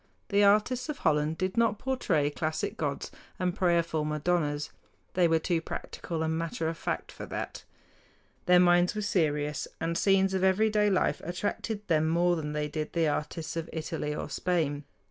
The artists of Holland did not portray classic gods and prayerful madonnas. They were too practical and matter of fact for that. Their minds were serious, and scenes of everyday life attracted them more than they did the artists of Italy or Spain.